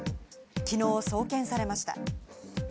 きのう送検されました。